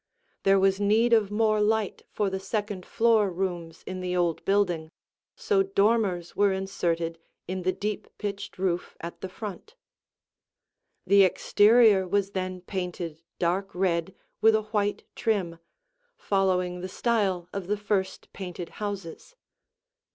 There was need of more light for the second floor rooms in the old building, so dormers were inserted in the deep pitched roof at the front. The exterior was then painted dark red with a white trim, following the style of the first painted houses.